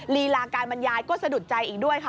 ลีลาการบรรยายก็สะดุดใจอีกด้วยค่ะ